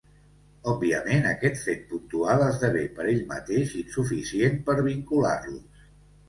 Òbviament aquest fet puntual esdevé, per ell mateix, insuficient per vincular-los.